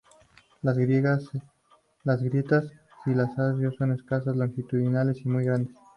Las grietas, si las hay son escasas, longitudinales y muy grandes.